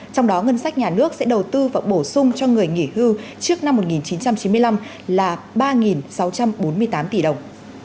trong đó ngân sách nhà nước sẽ đầu tư và bổ sung cho người nghỉ hưu trước năm một nghìn chín trăm chín mươi năm là ba sáu trăm bốn mươi tám tỷ đồng